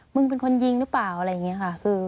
มึงเป็นคนยิงหรือเปล่าอะไรอย่างนี้ค่ะ